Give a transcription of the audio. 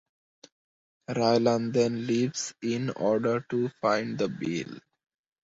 Raylan then leaves in order to find the bill.